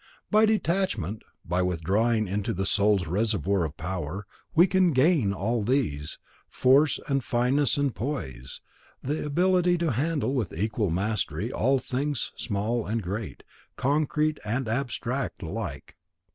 By detachment, by withdrawing into the soul's reservoir of power, we can gain all these, force and fineness and poise; the ability to handle with equal mastery things small and great, concrete and abstract alike.